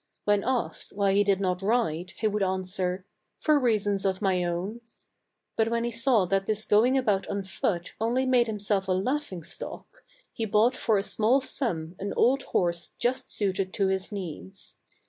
When asked why he did not ride, he would answer, " For reasons of my own." But when he saw that his going about on foot only made himself a laugh ing stock, he bought for a small sum an old horse just suited to his needs.